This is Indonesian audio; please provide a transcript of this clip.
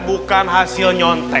bukan hasil nyontek